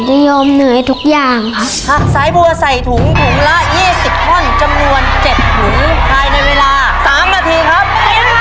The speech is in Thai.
ปุ๊บปุ๊บปุ๊บปุ๊บปุ๊บปุ๊บปุ๊บปุ๊บ